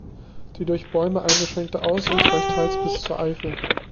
Die durch Bäume eingeschränkte Aussicht reicht teils bis zur Eifel.